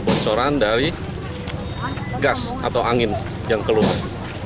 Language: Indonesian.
bocoran dari gas atau angin yang keluar